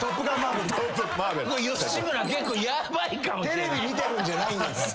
テレビ見てるんじゃないんです。